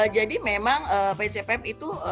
jadi memang pcpm itu